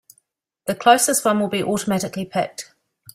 The closest one will be automatically picked.